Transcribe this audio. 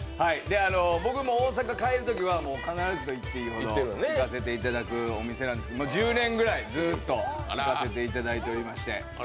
僕も大阪に帰るときは必ずといっていいほど行かせていただいているお店なんですが、１０年くらい、ずっと行かせていただいておりまして。